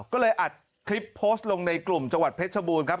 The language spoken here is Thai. ก็เลยอัดคลิปโพสต์ลงในกลุ่มจังหวัดเพชรบูรณ์ครับ